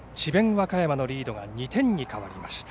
和歌山のリードが２点に変わりました。